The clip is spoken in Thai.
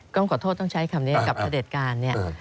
ต้องขอโทษต้องใช้คำนี้กับพระเด็จการเนี่ย